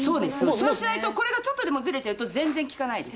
そうしないとこれがちょっとでもずれてると全然効かないです。